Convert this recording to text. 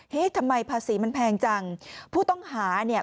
ทำไมภาษีมันแพงจังผู้ต้องหาเนี่ย